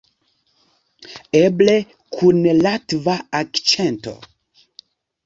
Eble, kun latva akĉento.